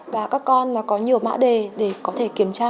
và các con có nhiều mã đề để kiểm tra